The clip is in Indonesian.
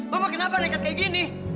mama kenapa lekat kayak gini